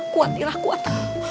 kuat irah kuat